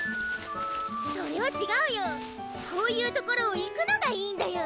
それはちがうよこういう所を行くのがいいんだよ